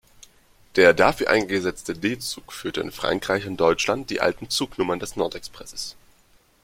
Der dafür eingesetzte D-Zug führte in Frankreich und Deutschland die alten Zugnummern des Nord-Express.